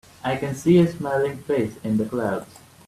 I can see a smiling face in the clouds.